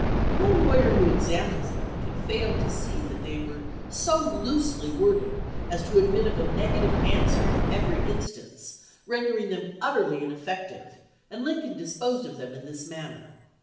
No lawyer who examines them can fail to see that they were so loosely worded as to admit of a negative answer in every instance, rendering them utterly ineffective, and Lincoln disposed of them in this manner.